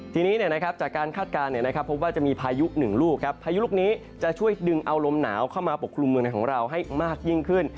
ทีนี้จากการคาดการณ์พบว่าจะมีพายุหนึ่งลูกพายุลูกนี้จะช่วยดึงเอาลมหนาวเข้ามาปกครุมเมืองในของเราให้มากยิ่งขึ้น